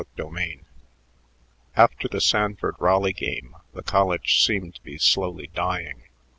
CHAPTER XI After the Sanford Raleigh game, the college seemed to be slowly dying.